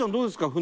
船。